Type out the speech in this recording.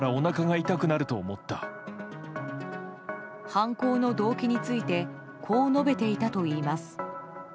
犯行の動機についてこう述べていたといいます。